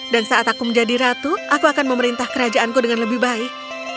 dan saat aku menjadi ratu aku akan memerintah kerajaanku dengan lebih baik